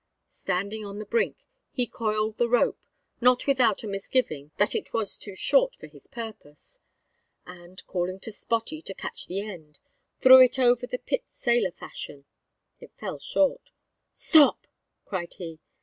Standing on the brink, he coiled the rope not without a misgiving that it was too short for his purpose and, calling to Spottie to catch the end, threw it out over the pit sailor fashion. It fell short. "Stop!" cried he.